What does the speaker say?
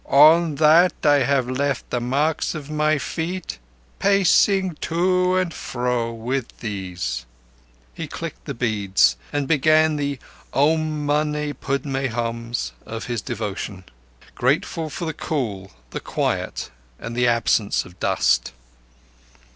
On that I have left the marks of my feet—pacing to and fro with these." He clicked the beads, and began the "Om mane pudme hum" of his devotion; grateful for the cool, the quiet, and the absence of dust.